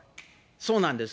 そうなんです。